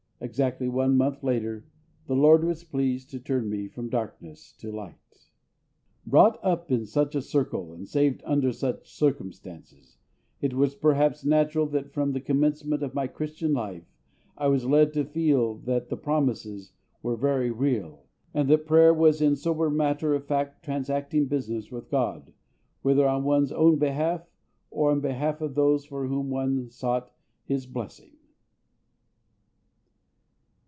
Exactly one month later the LORD was pleased to turn me from darkness to light. Brought up in such a circle and saved under such circumstances, it was perhaps natural that from the commencement of my Christian life I was led to feel that the promises were very real, and that prayer was in sober matter of fact transacting business with GOD, whether on one's own behalf or on behalf of those for whom one sought His blessing.